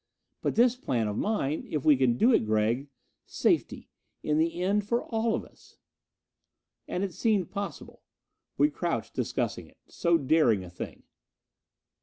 But this plan of mine, if we can do it, Gregg ... safety, in the end, for all of us." And it seemed possible. We crouched, discussing it. So daring a thing!